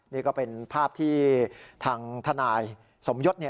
นี่ก็เป็นภาพที่ทางทนายสมยศ